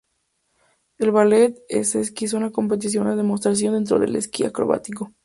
El ballet en esquí es una competición de demostración dentro del esquí acrobático.